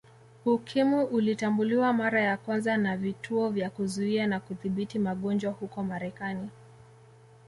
Ukimwi ulitambuliwa mara ya kwanza na Vituo vya Kuzuia na Kudhibiti Magonjwa huko Marekani